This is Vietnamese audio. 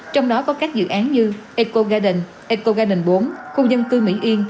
trong đó có các dự án như eco garden eco garden bốn khu dân cư mỹ yên